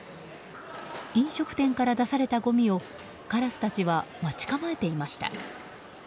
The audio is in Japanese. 飲食店から出されたごみをカラスたちは待ち構えていました。